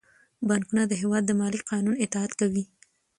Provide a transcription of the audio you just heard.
بانکونه د هیواد د مالي قانون اطاعت کوي.